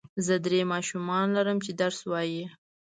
زه درې ماشومان لرم چې درس وايي.